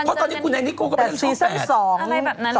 เพราะตอนนี้กูในนิโครก็ไปช่องแปดแต่ซีส่อน๒